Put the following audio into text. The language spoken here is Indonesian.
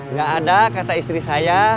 nggak ada kata istri saya